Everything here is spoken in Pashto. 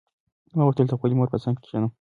ما غوښتل چې د خپلې مور په څنګ کې کښېنم.